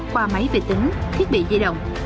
qua máy việt tính thiết bị di động